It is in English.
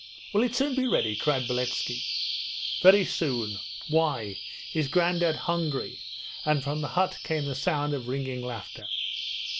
'Will it soon be ready?' cried Beletski. 'Very soon! Why? Is Grandad hungry?' and from the hut came the sound of ringing laughter.